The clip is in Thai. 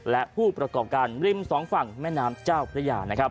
และผู้ประกอบการริมสองฝั่งแม่น้ำเจ้าพระยา